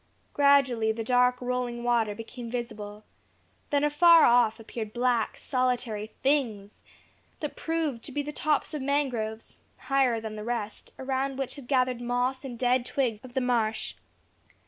Gradually the dark rolling water became visible; then afar off appeared black, solitary things, that proved to be the tops of mangroves, higher than the rest, around which had gathered moss and dead twigs of the marsh.